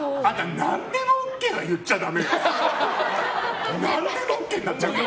何でもＯＫは言っちゃだめよ。